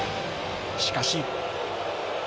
しかし。